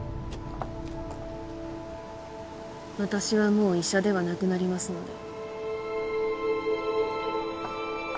私はもう医者ではなくなりますので。